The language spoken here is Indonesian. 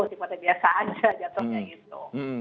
sifatnya biasa aja jatuhnya gitu